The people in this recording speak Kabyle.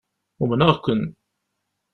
Umneɣ-ken.